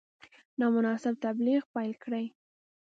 نامناسب تبلیغ پیل کړي.